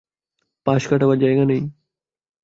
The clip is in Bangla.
পাশ কাটাবার জায়গা নেই।